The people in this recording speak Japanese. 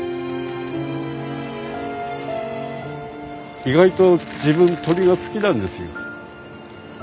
意外と自分鳥が好きなんですよ。